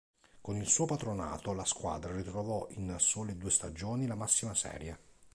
Con il suo patronato la squadra ritrovò in sole due stagioni la massima serie.